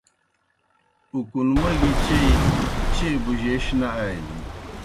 اُکُنموگیْ چیئی چیئے بُجَیش نہ آلِن۔